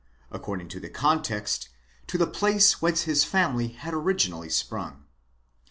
according to the context, to the place whence his family had originally sprung.